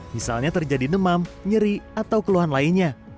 misalnya terjadi demam nyeri atau keluhan lainnya